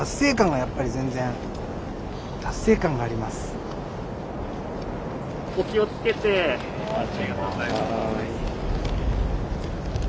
ありがとうございます。